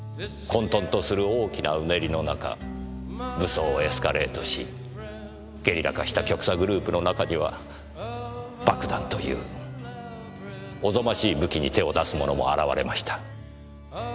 混沌とする大きなうねりの中武装をエスカレートしゲリラ化した極左グループの中には爆弾というおぞましい武器に手を出す者も現れました。